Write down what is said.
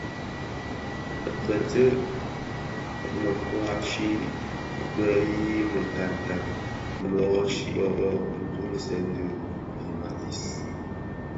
Betceu mekoai chi bé yii mikankan, bố chi bộ, ntuňzèn di dhim a dis,